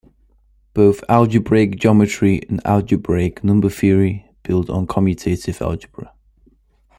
Both algebraic geometry and algebraic number theory build on commutative algebra.